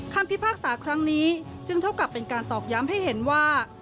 พิพากษาครั้งนี้จึงเท่ากับเป็นการตอกย้ำให้เห็นว่า